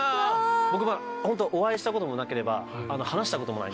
僕はホントお会いしたこともなければ話したこともない。